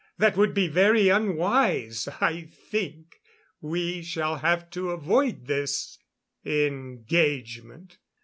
That would be very unwise. I think we shall have to avoid this engagement.